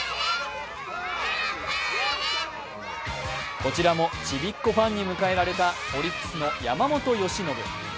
こちらもちびっこファンに迎えられたオリックスの山本由伸。